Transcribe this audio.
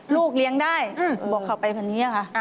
ลูกเลี้ยงได้บอกเขาไปพันนี้ค่ะ